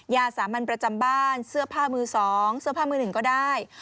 ยาสามัญประจำบ้านเสื้อผ้ามือ๒เสื้อผ้ามือหนึ่งก็ได้